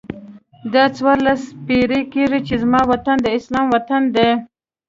دا څوارلس پیړۍ کېږي چې زما وطن د اسلام وطن دی.